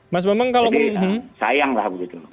jadi sayang lah gitu